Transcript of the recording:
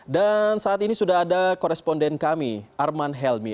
dan saat ini sudah ada koresponden kami arman helmi